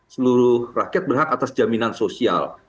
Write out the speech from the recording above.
seluruh rakyat berhak atas jaminan sosial